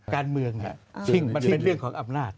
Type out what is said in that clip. การเมืองซึ่งมันเป็นเรื่องของอำนาจ